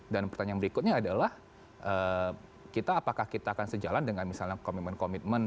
dan pertanyaan berikutnya adalah kita apakah kita akan sejalan dengan misalnya komitmen komitmen